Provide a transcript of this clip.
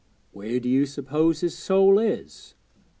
'Where do you suppose his soul is?'